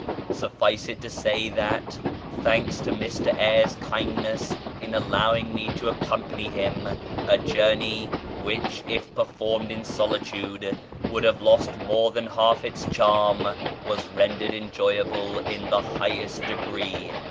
Suffice it to say that, thanks to Mr Eyres' kindness in allowing me to accompany him, a journey, which, if performed in solitude, would have lost more than half its charm, was rendered enjoyable in the highest degree.